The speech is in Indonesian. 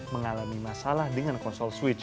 mengalami masalah dengan konsol switch